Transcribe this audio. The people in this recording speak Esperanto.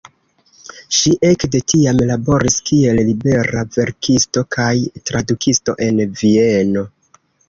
Ŝi ekde tiam laboris kiel libera verkisto kaj tradukisto en Vieno.